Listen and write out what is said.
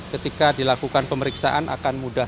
ketika dilakukan pemeriksaan akan mudah